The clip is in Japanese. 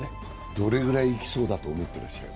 どれぐらいいきそうだと思ってらっしゃる？